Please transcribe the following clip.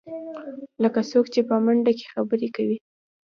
لکه څوک چې په منډه کې خبرې کوې.